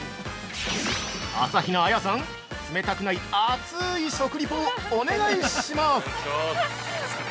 朝比奈彩さん、冷たくない熱い食リポをお願いします！